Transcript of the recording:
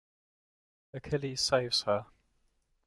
Achilles saves her.